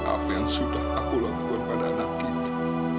apa yang sudah aku lakukan pada anak kita